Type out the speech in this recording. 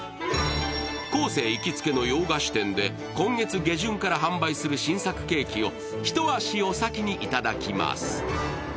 昴生行きつけの洋菓子店で今月下旬から販売する新作ケーキを一足お先に頂きます。